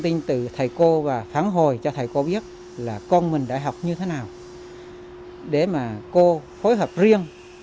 tin từ thầy cô và phản hồi cho thầy cô biết là con mình đại học như thế nào để mà cô phối hợp riêng